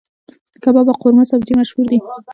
کباب او قورمه سبزي مشهور دي.